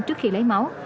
trước khi lấy máu